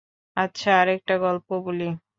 আচ্ছা, আরেকটা গল্প বলি।